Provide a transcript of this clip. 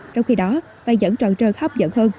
trong khi đó vàng nhẫn tròn trơn hấp dẫn hơn